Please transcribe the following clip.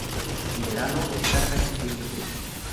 En verano, esta casi siempre seco.